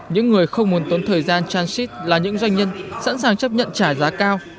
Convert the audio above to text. những người không muốn tốn thời gian transit là những doanh nhân sẵn sàng chấp nhận trả giá cao